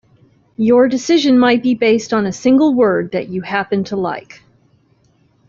Your decision might be based on a single word that you happen to like.